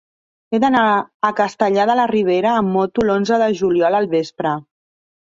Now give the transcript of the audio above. He d'anar a Castellar de la Ribera amb moto l'onze de juliol al vespre.